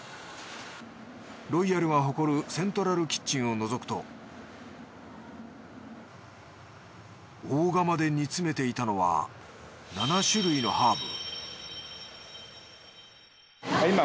ロイヤルが誇るセントラルキッチンをのぞくと大釜で煮詰めていたのは７種類のハーブ